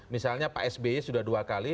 misalnya pak sby sudah dua kali